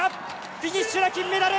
フィニッシュだ金メダル！